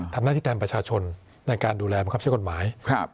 ทำหน้าที่แทนประชาชนในการดูแลบังคับใช้กฎหมาย